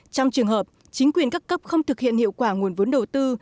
trong trường hợp chính quyền các cấp không thực hiện hiệu quả nguồn vốn đầu tư